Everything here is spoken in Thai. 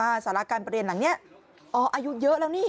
อาศาลการน์ประเด็นหลังนี้อึอออายุเยอะแล้ว